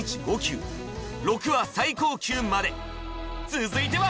続いては！